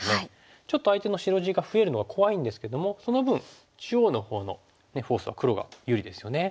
ちょっと相手の白地が増えるのが怖いんですけどもその分中央のほうのフォースは黒が有利ですよね。